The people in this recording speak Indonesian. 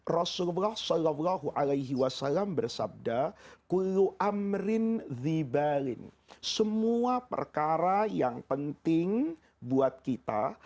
rasulullah subhanahu wa ta'ala yang berkata